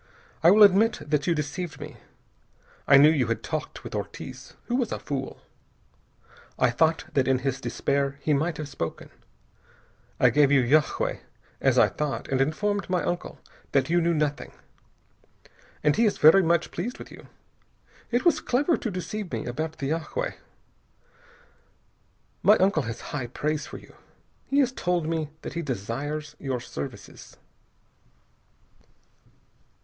I will admit that you deceived me. I knew you had talked with Ortiz, who was a fool. I thought that in his despair he might have spoken. I gave you yagué, as I thought, and informed my uncle that you knew nothing. And he is very much pleased with you. It was clever to deceive me about the yagué. My uncle has high praise for you. He has told me that he desires your services."